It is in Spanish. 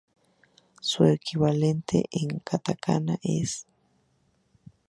Su equivalente en katakana es シ.